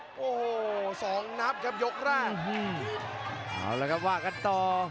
โอ้โหสองนับครับยกแรกเอาละครับว่ากันต่อ